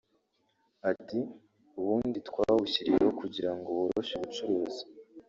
Ati “Ubundi twawushyiriyeho kugira ngo woroshye ubucuruzi